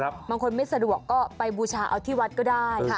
บางคนไม่สะดวกก็ไปบูชาเอาที่วัดก็ได้